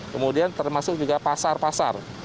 kemudian termasuk juga pasar pasar